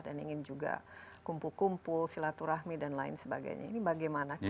dan ingin juga kumpul kumpul silaturahmi dan lain sebagainya ini bagaimana cara